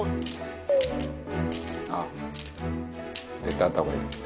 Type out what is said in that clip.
あっ絶対あった方がいいな。